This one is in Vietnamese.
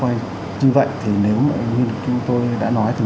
như vậy thì nếu mà như tôi đã nói